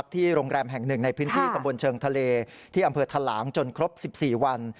ที่อำเภอทะล้างจนครบ๑๔วัน